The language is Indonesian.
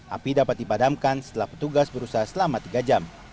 api dapat dipadamkan setelah petugas berusaha selama tiga jam